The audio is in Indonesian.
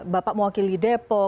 bapak mewakili depok